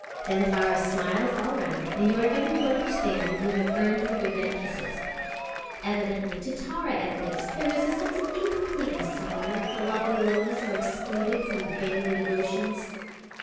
Then Tara smiles all round, and you are given to understand you have earned your good night kisses. Evidently to Tara at least there is a sense of incompleteness somewhere if the lovely lilies are excluded from the family devotions.